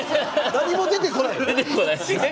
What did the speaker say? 何も出てこない。